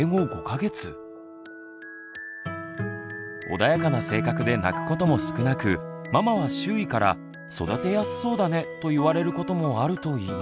穏やかな性格で泣くことも少なくママは周囲から「育てやすそうだね」と言われることもあるといいます。